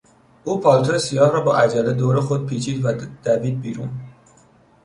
او پالتو سیاه را با عجله دور خود پیچید و دوید بیرون.